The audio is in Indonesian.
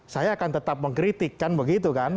saya akan tetap mengkritikkan begitu kan